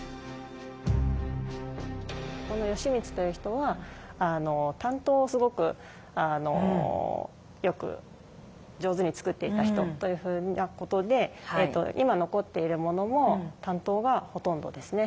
この吉光という人は短刀をすごくよく上手につくっていた人というふうなことで今残っているものも短刀がほとんどですね。